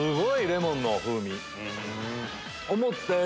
レモンの風味。